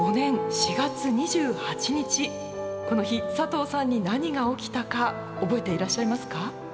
この日佐藤さんに何が起きたか覚えていらっしゃいますか？